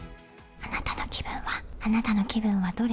あなたの気分は、あなたの気分はどれ？